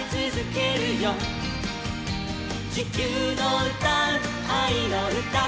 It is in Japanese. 「地球のうたうあいのうた」